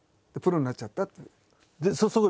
でプロになっちゃったっていう。